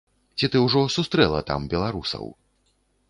Ці ты ўжо сустрэла там беларусаў?